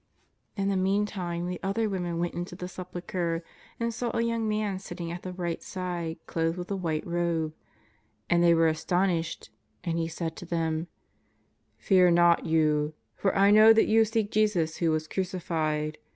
In the meantime the other women went into ^the Sepulchre and saw a young man sitting at the right side clothed with a white robe, and they were astonished. And he said to them :" Fear not you, for I know that you seek Jesus who was crucified.